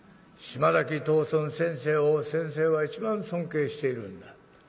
島崎藤村先生を先生は一番尊敬しているんだ。